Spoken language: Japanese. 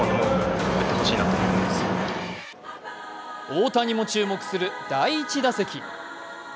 大谷も注目する第１打席。